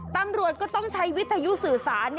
ตำรวจก็ต้องใช้วิทยุสื่อสาร